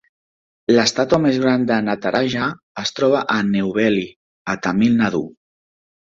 L'estàtua més gran de Nataraja es troba a Neyveli, a Tamil Nadu.